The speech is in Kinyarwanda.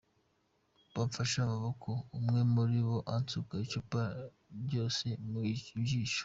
Bamfashe amaboko, umwe muri bo ansuka icupa ryose mu jisho.